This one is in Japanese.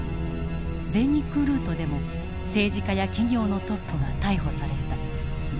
全日空ルートでも政治家や企業のトップが逮捕された。